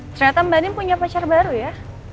ternyata mbak nim punya pacar baru ya